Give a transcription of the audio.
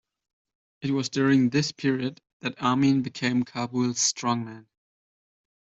It was during this period that Amin became Kabul's strongman.